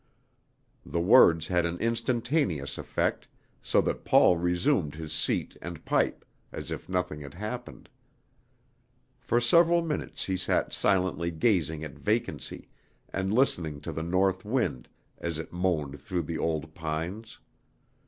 The words had an instantaneous effect, so that Paul resumed his seat and pipe, as if nothing had happened. For several minutes he sat silently gazing at vacancy, and listening to the north wind as it moaned through the old pines.